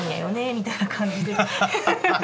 みたいな感じで。